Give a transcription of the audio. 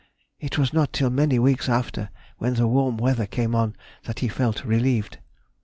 It was not till many weeks after, when the warm weather came on, that he felt relieved.